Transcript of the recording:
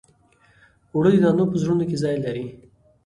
اوړه د نانو په زړونو کې ځای لري